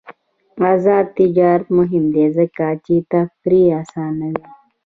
آزاد تجارت مهم دی ځکه چې تفریح اسانوي.